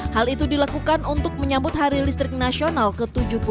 hal itu dilakukan untuk menyambut hari listrik nasional ke tujuh puluh dua